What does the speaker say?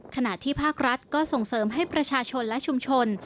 ขณะที่ภาครัฐก็ส่งเสริมให้ประชาชนและชุมชน